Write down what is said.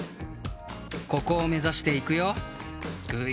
ここをめざしていくよ。